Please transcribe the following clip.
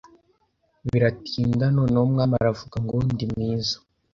Biratinda noneho umwami aravuga ngo ndimwiza